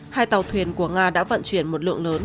hai tàu thuyền của nga đã vận chuyển một lượng lớn